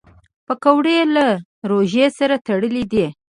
پکورې له روژې سره تړلي دي